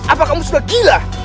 apa kamu sudah gila